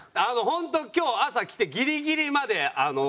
本当今日朝来てギリギリまで練習してた。